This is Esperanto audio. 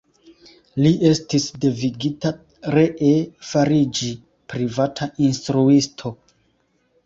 Li estis devigita ree fariĝi privata instruisto.